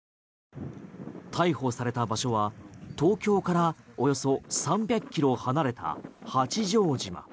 逮捕された場所は東京からおよそ３００キロ離れた八丈島。